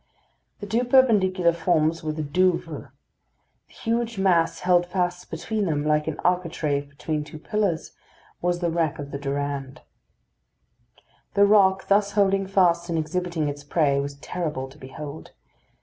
The two perpendicular forms were the Douvres. The huge mass held fast between them, like an architrave between two pillars, was the wreck of the Durande. The rock, thus holding fast and exhibiting its prey, was terrible to behold.